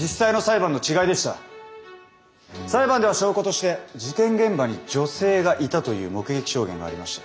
裁判では証拠として事件現場に女性がいたという目撃証言がありました。